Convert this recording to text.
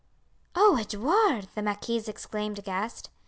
"Oh, Edouard!" the marquise exclaimed aghast.